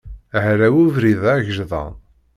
Hraw ubrid-a agejdan.